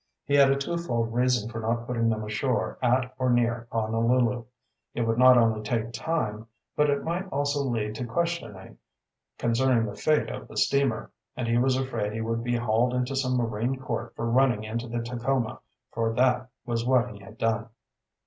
He had a twofold reason for not putting them ashore at or near Honolulu. It would not only take time, but it might also lead to questioning concerning the fate of the steamer, and he was afraid he would be hauled into some marine court for running into the Tacoma, for that was what he had done.